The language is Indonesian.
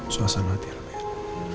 suasana hati remehnya